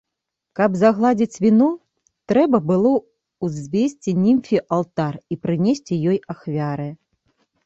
Каб загладзіць віну, трэба было ўзвесці німфе алтар і прынесці ёй ахвяры.